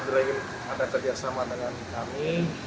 tidak kemungkinan atau berangin ada kerjasama dengan kami